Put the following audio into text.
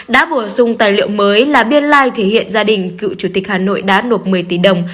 đã bổ sung tài liệu mới là biên lai thể hiện gia đình cựu chủ tịch hà nội đã nộp một mươi tỷ đồng